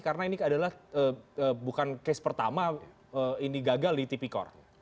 karena ini adalah bukan case pertama ini gagal di tipikor